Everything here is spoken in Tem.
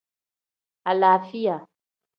Alaafiya.